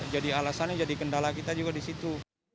jadi alasannya jadi kendala kita juga di situ